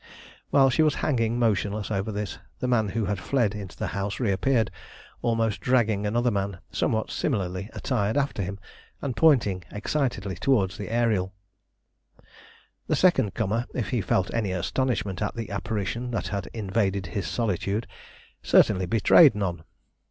While she was hanging motionless over this, the man who had fled into the house reappeared, almost dragging another man, somewhat similarly attired, after him, and pointing excitedly towards the Ariel. The second comer, if he felt any astonishment at the apparition that had invaded his solitude, certainly betrayed none.